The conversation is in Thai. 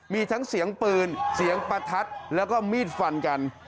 มีทั้งเสียงปืนเสียงประทัดแล้วก็มีดฟันกัน